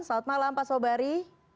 saat malam pak sobari